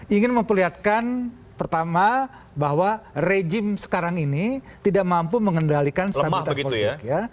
ingin memperlihatkan pertama bahwa rejim sekarang ini tidak mampu mengendalikan stabilitas politik